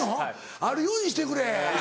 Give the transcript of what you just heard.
あるようにしてくれ。